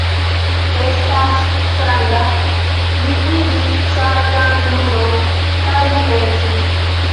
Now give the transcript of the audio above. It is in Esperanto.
Estas stranga. Li vidis ŝarkan ludon, kaj li pensis: